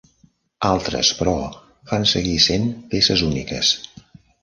Altres, però, van seguir sent peces úniques.